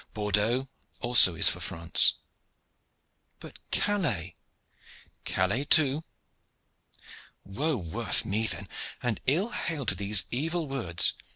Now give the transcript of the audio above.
"Bordeaux also is for France." "But Calais?" "Calais too." "Woe worth me then, and ill hail to these evil words!